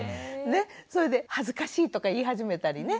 それで「恥ずかしい」とか言い始めたりね。